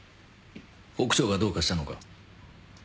国生がどうかしたのか？